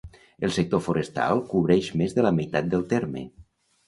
El sector forestal cobreix més de la meitat del terme.